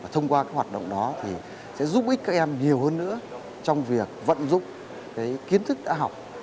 thông qua hoạt động đó thì sẽ giúp ích các em nhiều hơn nữa trong việc vận dụng cái kiến thức đã học